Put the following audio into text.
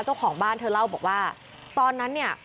เจ้าของบ้านเธอเล่าบอกว่าตอนนั้นเนี่ย